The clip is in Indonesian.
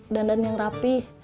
dandan yang rapih